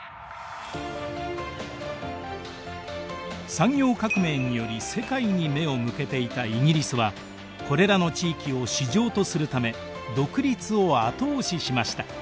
産業革命により世界に目を向けていたイギリスはこれらの地域を市場とするため独立を後押ししました。